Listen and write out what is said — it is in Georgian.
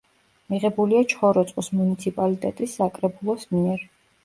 მიღებულია ჩხოროწყუს მუნიციპალიტეტის საკრებულოს მიერ.